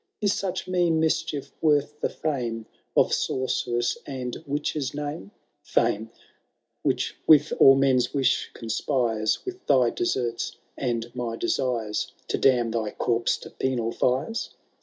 Is such mean mischief worth the fame Of sorceress and witch's name ? Fame, which with all men's wish conspires. With thj deserts and my desires, To damn thy corpse to penal fires